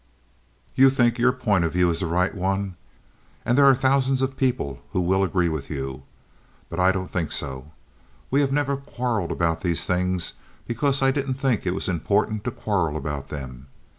You think your point of view is the right one, and there are thousands of people who will agree with you; but I don't think so. We have never quarreled about these things, because I didn't think it was important to quarrel about them.